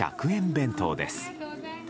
弁当です。